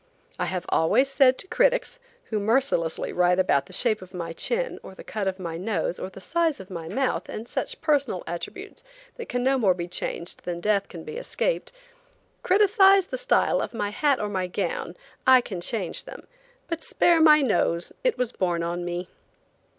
I have always said to critics, who mercilessly write about the shape of my chin, or the cut of my nose, or the size of my mouth, and such personal attributes that can no more be changed than death can be escaped: "Criticise the style of my hat or my gown, I can change them, but spare my nose, it was born on me."